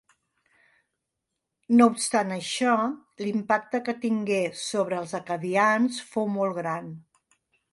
No obstant això, l'impacte que tingué sobre els acadians fou molt gran.